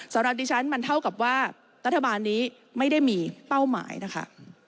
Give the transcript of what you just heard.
สำหรับดิฉันมันเท่ากับว่ารัฐบาลนี้ไม่ได้มีเป้าหมายนะคะ